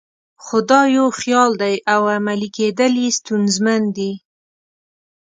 خو دا یو خیال دی او عملي کېدل یې ستونزمن دي.